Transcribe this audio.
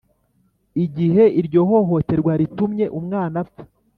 igihe iryo hohoterwa ritumye umwana apfa